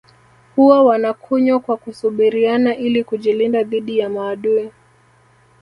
Huwa wanakunywa kwa kusubiriana ili kujilinda dhidi ya maadui